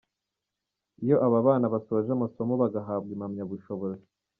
Iyo aba bana basoje amasomo bagahabwa impamyabushobozi.